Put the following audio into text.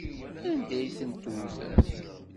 Anda ay tent-tewtemt?